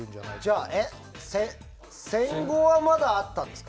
じゃあ戦後はまだあったんですか？